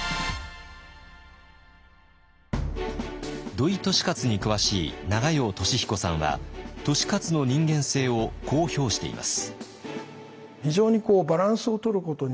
土井利勝に詳しい永用俊彦さんは利勝の人間性をこう評しています。